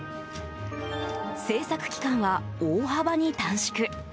製作期間は大幅に短縮。